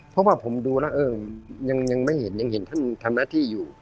เพราะว่าผมดูแล้วยังไม่เห็นท่านทำหน้าที่